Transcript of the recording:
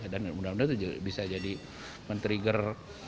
dan mudah mudahan itu bisa jadi men trigger